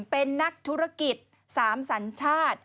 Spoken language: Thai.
เป็นนักธุรกิจ๓สัญชาติ